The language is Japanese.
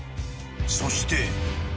［そして］